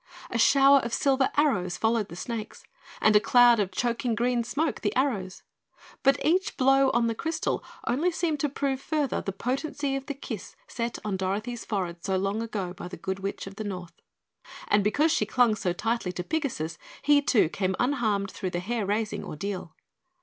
A shower of silver arrows followed the snakes and a cloud of choking green smoke, the arrows. But each blow on the crystal only seemed to prove further the potency of the kiss set on Dorothy's forehead so long ago by the Good Witch of the North. And because she clung so tightly to Pigasus, he, too, came unharmed through the hair raising ordeal.